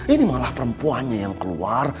ini malah perempuannya yang keluar